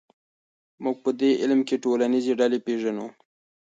موږ په دې علم کې ټولنیزې ډلې پېژنو.